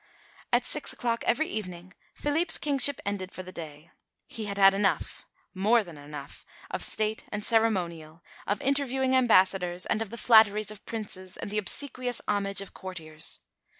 At six o'clock every evening Philippe's kingship ended for the day. He had had enough more than enough of State and ceremonial, of interviewing ambassadors, and of the flatteries of Princes and the obsequious homage of courtiers.